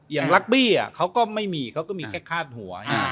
ลักบี้เขาก็ไม่มีเขาก็มีแค่คาดหัว